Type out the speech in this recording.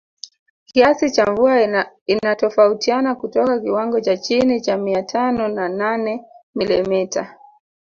Kiasi cha mvua inatofautiana kutoka kiwango cha chini cha mia tano na nane milimita